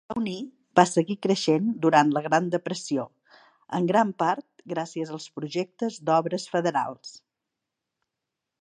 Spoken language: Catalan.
Pawnee va seguir creixent durant la Gran Depressió, en gran part gràcies als projectes d'obres federals.